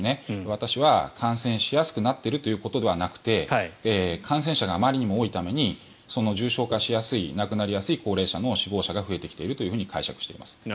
私は感染しやすくなっているということではなくて感染者があまりにも多いために重症化しやすい亡くなりやすい高齢者の死亡者が増えてきていると解釈しています。